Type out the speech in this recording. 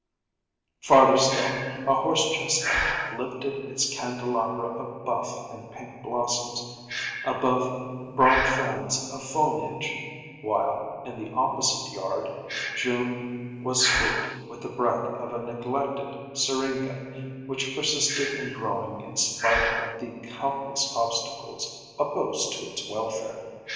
Farther still, a horse chestnut lifted its candelabra of buff and pink blossoms above broad fans of foliage; while in the opposite yard June was sweet with the breath of a neglected syringa, which persisted in growing in spite of the countless obstacles opposed to its welfare.